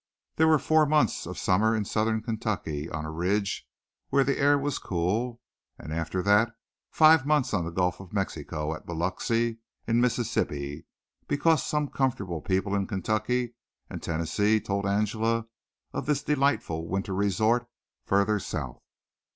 There were four months of summer in southern Kentucky on a ridge where the air was cool, and after that five months on the Gulf of Mexico, at Biloxi, in Mississippi, because some comfortable people in Kentucky and Tennessee told Angela of this delightful winter resort farther South.